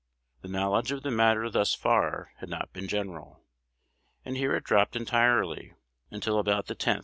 The knowledge of the matter thus far had not been general, and here it dropped entirely, till about the 10th inst.